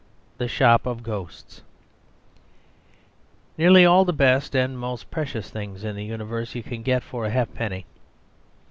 The Shop Of Ghosts Nearly all the best and most precious things in the universe you can get for a halfpenny.